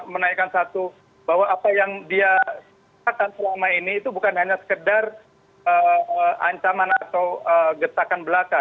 menaikkan satu bahwa apa yang dia katakan selama ini itu bukan hanya sekedar ancaman atau getakan belaka